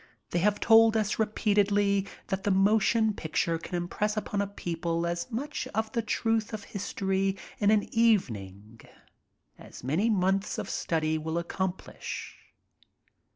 They have told us repeatedly that the motion picture can ingress upon a people as much of the truth of history in an evening as many months of study will accomplish.